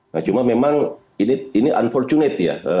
nah cuma memang ini unfortunate ya